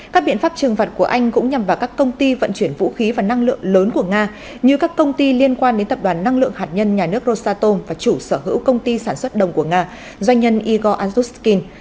các biện pháp trừng phạt của anh cũng nhằm vào các công ty vận chuyển vũ khí và năng lượng lớn của nga như các công ty liên quan đến tập đoàn năng lượng hạt nhân nhà nước rosato và chủ sở hữu công ty sản xuất đồng của nga doanh nhân igor azukhin